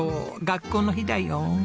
学校の日だよ。